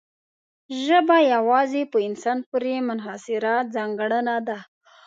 ژبه یوازې په انسان پورې منحصره ځانګړنه ده.